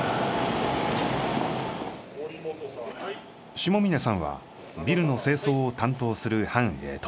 下峰さんはビルの清掃を担当する班へと。